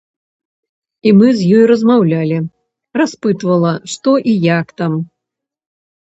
І мы з ёй размаўлялі, распытвала, што і як там.